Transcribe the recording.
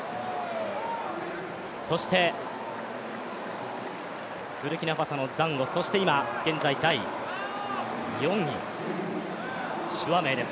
そしてブルキナファソのザンゴ、そして今、現在第４位、朱亜明です。